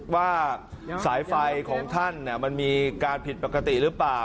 ว่าสายไฟของท่านมันมีการผิดปกติหรือเปล่า